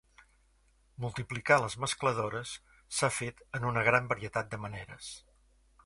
Multiplicar les mescladores s'ha fet en una gran varietat de maneres.